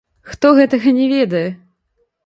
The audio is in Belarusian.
Хто гэтага не ведае?